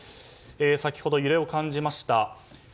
先ほど揺れを感じました。